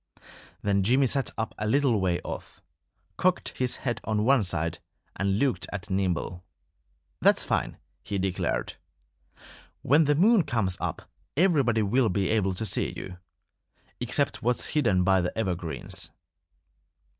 Then Jimmy sat up a little way off, cocked his head on one side, and looked at Nimble. "That's fine!" he declared. "When the moon comes up everybody will be able to see you except what's hidden by the evergreens."